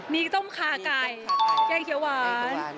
มีต้มขาไก่แกงเขียวหวาน